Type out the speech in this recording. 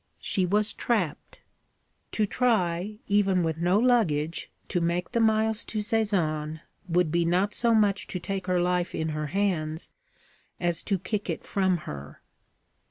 She was trapped. To try, even with no luggage, to make the miles to Sézanne, would be not so much to take her life in her hands as to kick it from her.